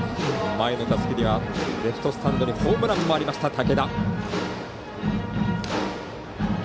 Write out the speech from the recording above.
前の打席ではレフトスタンドにホームランもあった武田。